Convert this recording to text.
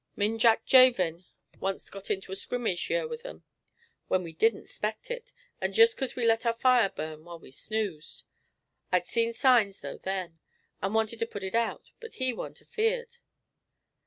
Me'n Jack Javin once got into a scrimmage yer with 'em, when we didn't 'spect it, and jist 'cause we let our fire burn while we snoozed. I'd seen sign though then, and wanted to put it out, but he wan't afeared."